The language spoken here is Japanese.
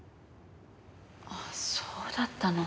あそうだったの。